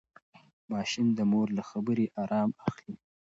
ماشوم د مور له خبرې ارام اخلي.